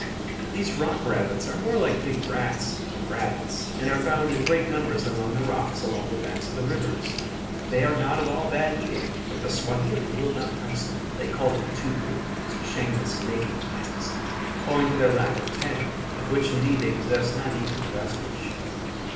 These rock rabbits are more like big rats than rabbits, and are found in great numbers among the rocks along the banks of the rivers. They are not at all bad eating, but the Swahili will not touch them. They call them tupu (shameless, naked things), owing to their lack of a tail, of which indeed they possess not even a vestige.